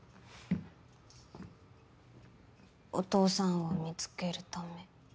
お父さんを見つけるため。